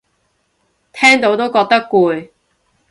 聽到都覺得攰